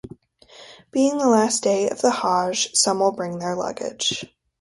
Being the last day of the Hajj, some will bring their luggage.